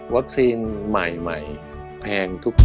วัคซีนใหม่แพงทุกตัว